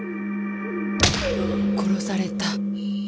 殺された？